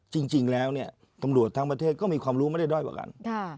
จริงแล้วเนี่ยตำรวจทั้งประเทศก็มีความรู้ไม่ได้ด้อยกว่ากัน